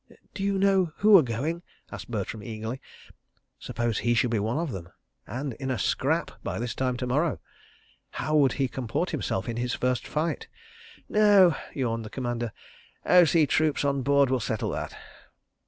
"D'you know who are going?" asked Bertram eagerly. Suppose he should be one of them—and in a "scrap" by this time to morrow! How would he comport himself in his first fight? "No," yawned the Commander. "O.C. troops on board will settle that."